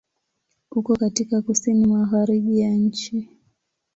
Uko katika Kusini Magharibi ya nchi.